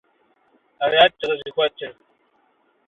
Арат дыкъызыхуэтыр…